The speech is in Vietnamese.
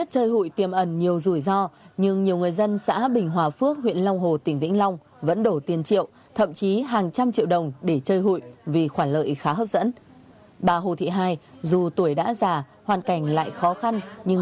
trú tại xã hiễu thuận huyện vũng liêm tỉnh vĩnh long lừa đảo qua hình thức chơi hụi